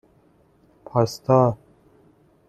پاستا